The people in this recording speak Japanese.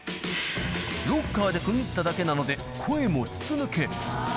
ロッカーで区切っただけなので、声も筒抜け。